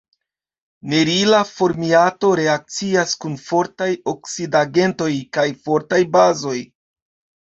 Nerila formiato reakcias kun fortaj oksidigagentoj kaj fortaj bazoj.